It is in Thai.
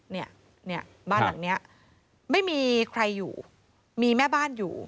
เนี่ยเนี่ยบ้านหลังเนี้ยไม่มีใครอยู่มีแม่บ้านอยู่